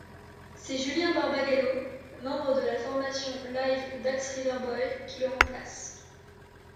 C'est Julien Barbagallo, membre de la formation live d'Axe Riverboy, qui le remplace.